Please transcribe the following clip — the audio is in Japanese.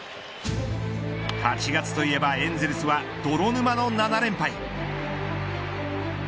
８月といえばエンゼルスは泥沼の７連敗。